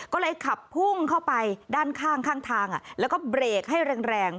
ก็เลยขับพุ่งเข้าไปด้านข้างข้างทางแล้วก็เบรกให้แรง